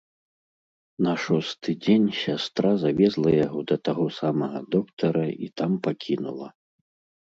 На шосты дзень сястра завезла яго да таго самага доктара і там пакінула.